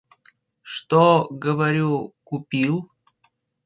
Что, говорю, купил?